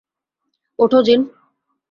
ওঠো, জিন!